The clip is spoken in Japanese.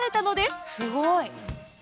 すごい！